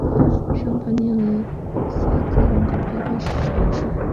尚帕涅勒塞克人口变化图示